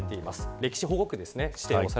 歴史保護区ですね。